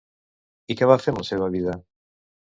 I què va fer amb la seva vida?